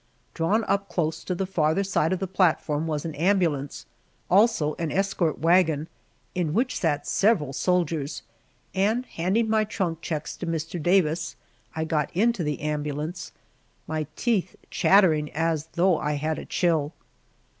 Drawn up close to the farther side of the platform was an ambulance, also an escort wagon, in which sat several soldiers, and handing my trunk checks to Mr. Davis, I got, into the ambulance, my teeth chattering as though I had a chill.